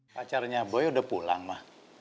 pacarnya boy udah pulang mah